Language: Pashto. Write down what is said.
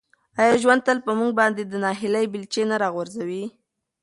آیا ژوند تل په موږ باندې د ناهیلۍ بیلچې نه راغورځوي؟